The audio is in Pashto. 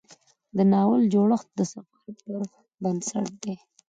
د ناول جوړښت د سفر پر بنسټ دی.